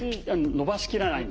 伸ばしきらない？